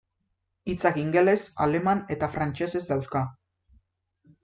Hitzak ingeles, aleman eta frantsesez dauzka.